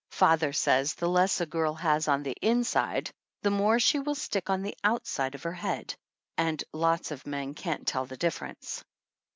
Father says the less a girl has on the inside the more she will stick on the outside of her head, and lots of men can't tell the difference.